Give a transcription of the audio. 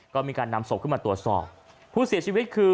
ก็มีการนำศพขึ้นมาตรวจสอบผู้เสียชีวิตคือ